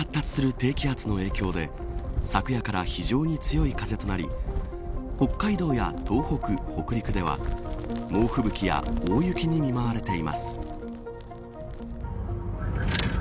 急速に発達する低気圧の影響で昨夜から非常に強い風となり北海道や東北、北陸では猛吹雪や大雪に見舞われています。